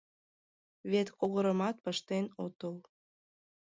— Вет когырымат пыштен отыл.